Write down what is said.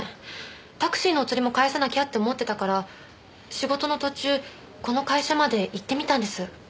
タクシーのお釣りも返さなきゃって思ってたから仕事の途中この会社まで行ってみたんです。